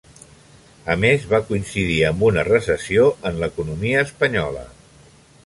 A més, va coincidir amb una recessió en l'economia espanyola.